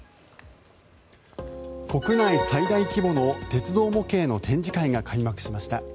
国内最大規模の鉄道模型の展示会が開幕しました。